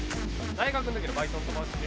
大学の時のバイトの友達で。